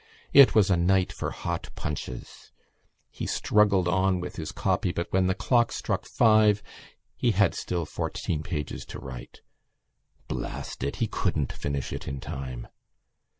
It was a night for hot punches. He struggled on with his copy, but when the clock struck five he had still fourteen pages to write. Blast it! He couldn't finish it in time.